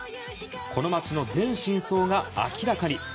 この街の全真相が明らかに。